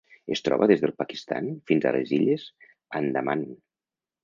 Es troba des del Pakistan fins a les Illes Andaman.